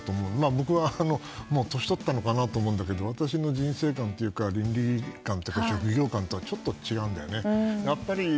僕は年取ったのかなと思ったんだけど人生観というか倫理観とか職業観とはちょっと違うんだよね。